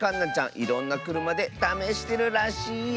いろんなくるまでためしてるらしいよ。